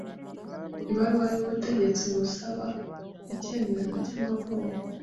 ibaruwa y’ ubutegetsi umusaba ikemezo cy’amavuko